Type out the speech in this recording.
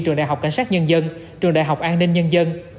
trường đại học cảnh sát nhân dân trường đại học an ninh nhân dân